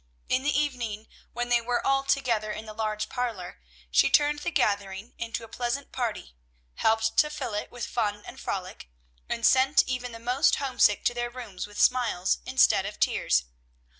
In the evening, when they were all together in the large parlor, she turned the gathering into a pleasant party, helped to fill it with fun and frolic, and sent even the most homesick to their rooms with smiles instead of tears.